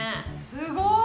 すごーい！